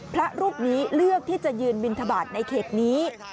พระรูปนี้เลือกที่จะยืนบินทบาทในเขตนี้